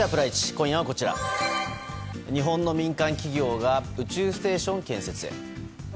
今夜は日本の民間企業が宇宙ステーション建設へ。